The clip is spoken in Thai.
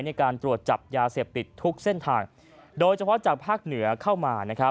ในการตรวจจับยาเสพติดทุกเส้นทางโดยเฉพาะจากภาคเหนือเข้ามานะครับ